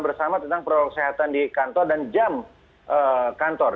bersama tentang protokol kesehatan di kantor dan jam kantor